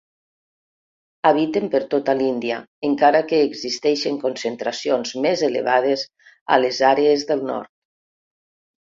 Habiten per tota l'Índia encara que existeixen concentracions més elevades a les àrees del nord.